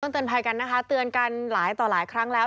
เตือนภัยกันนะคะเตือนกันหลายต่อหลายครั้งแล้ว